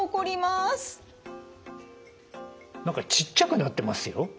何かちっちゃくなってますよ。